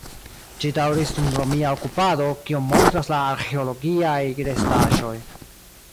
Ĝi daŭris dum romia okupado, kion montras la arĥeologiaj restaĵoj.